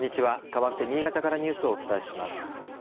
かわって新潟からニュースをお伝えします。